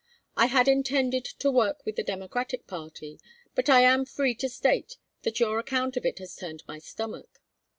I had intended to work with the Democratic party, but I am free to state that your account of it has turned my stomach.